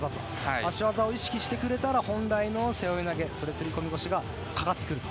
足技を意識してくれたら本来の背負い投げ袖釣り込み腰がかかってくる。